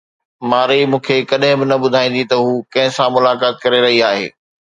مارئي مون کي ڪڏهن به نه ٻڌائيندي ته هوءَ ڪنهن سان ملاقات ڪري رهي آهي.